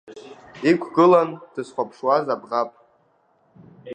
Иқәгылан дызқәыԥшуаз абӷаб!